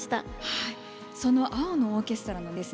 はいその「青のオーケストラ」のですね